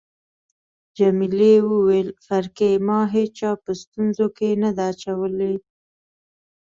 جميلې وويل: فرګي، ما هیچا په ستونزو کي نه ده اچولی.